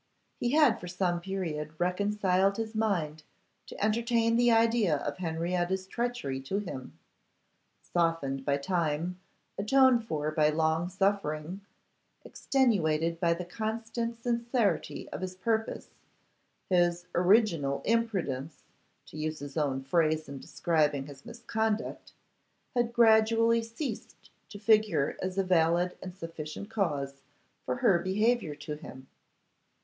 He had for some period reconciled his mind to entertain the idea of Henrietta's treachery to him. Softened by time, atoned for by long suffering, extenuated by the constant sincerity of his purpose, his original imprudence, to use his own phrase in describing his misconduct, had gradually ceased to figure as a valid and sufficient cause for her behaviour to him.